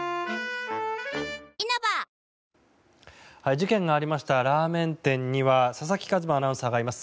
事件がありましたラーメン店には佐々木一真アナウンサーがいます。